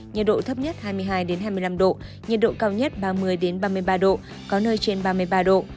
nhiệt độ thấp nhất hai mươi hai hai mươi năm độ nhiệt độ cao nhất ba mươi ba mươi ba độ có nơi trên ba mươi ba độ